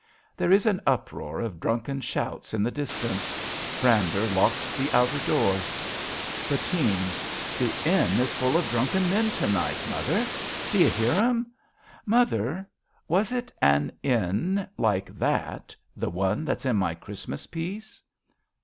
{There is an uproar of drunken shouts in the distance. Brander locks the outer door.) Bettine. The inn is full of drunken men to night, Mother. D' you hear them ? Mother, was it an inn Like that — the one that's in my Christ mas piece